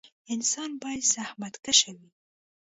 انسان باید زخمتکشه وي